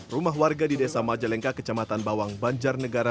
rumah warga di desa majalengka kecamatan bawang banjar negara